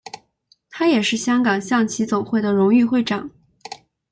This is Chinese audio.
他也是香港象棋总会的荣誉会长。